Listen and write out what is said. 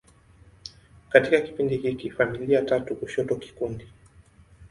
Katika kipindi hiki, familia tatu kushoto kikundi.